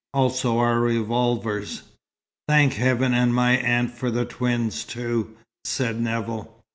Also our revolvers." "Thank heaven and my aunt for the twins, too," said Nevill.